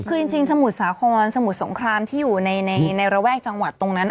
คือจริงสมุทรสาครสมุทรสงครามที่อยู่ในระแวกจังหวัดตรงนั้น